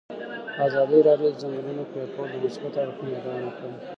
ازادي راډیو د د ځنګلونو پرېکول د مثبتو اړخونو یادونه کړې.